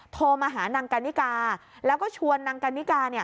โทรมาหานางกันนิกาแล้วก็ชวนนางกันนิกา